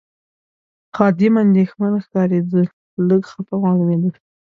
خادم اندېښمن ښکارېد، لږ خپه معلومېده.